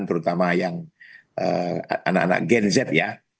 terutama yang anak anak gen z ya